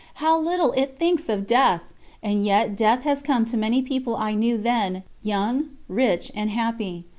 How little it thinks of death! And yet death has come to many people I knew then, young, rich, and happy.